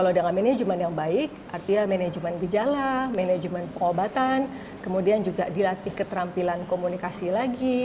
kalau dengan manajemen yang baik artinya manajemen gejala manajemen pengobatan kemudian juga dilatih keterampilan komunikasi lagi